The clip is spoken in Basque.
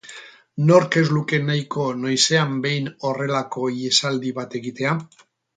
Nork ez luke nahiko noizean behin horrelako ihesaldi bat egitea?